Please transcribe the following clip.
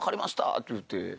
って言うて。